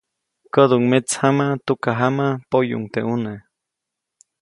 Käduʼuŋ metsjama, tukajama, poyuʼuŋ teʼ ʼune.